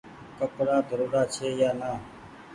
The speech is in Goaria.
ڪپڙآ ڌوڙاڙا ڇي يا نآ